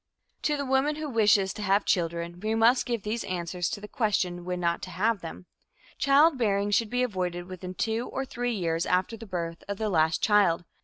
To the woman who wishes to have children, we must give these answers to the question when not to have them. Childbearing should be avoided within two or three years after the birth of the last child.